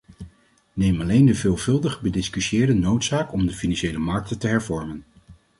Neem alleen de veelvuldig bediscussieerde noodzaak om de financiële markten te hervormen.